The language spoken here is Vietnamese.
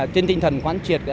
trên tinh thần khoản triệt